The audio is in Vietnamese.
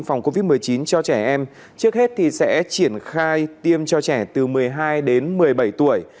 phòng covid một mươi chín cho trẻ em trước hết thì sẽ triển khai tiêm cho trẻ từ một mươi hai đến một mươi bảy tuổi